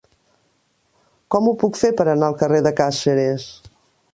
Com ho puc fer per anar al carrer de Càceres?